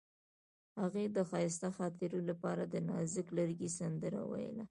هغې د ښایسته خاطرو لپاره د نازک لرګی سندره ویله.